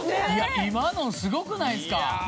今のすごくないですか？